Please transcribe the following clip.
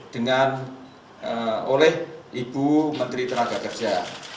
dengan oleh ibu menteri tenaga kerja